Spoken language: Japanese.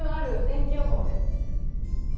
天気予報で。